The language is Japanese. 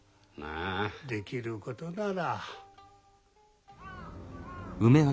できることなら。